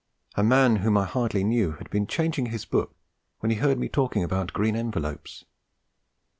A man whom I hardly knew had been changing his book when he heard me talking about green envelopes.